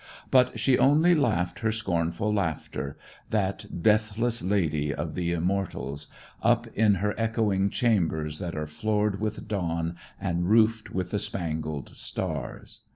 But she only laughed her scornful laughter, that deathless lady of the immortals, up in her echoing chambers that are floored with dawn and roofed with the spangled stars.